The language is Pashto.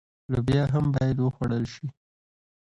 لوبیا هم باید وخوړل شي.